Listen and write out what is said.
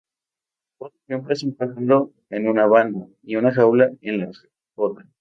Otro ejemplo es un pájaro en una banda y una jaula en la otra.